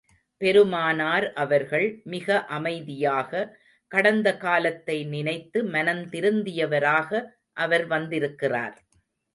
பெருமானார் அவர்கள், மிக அமைதியாக, கடந்த காலத்தை நினைத்து மனந் திருந்தியவாரக அவர் வந்திருக்கிறார்.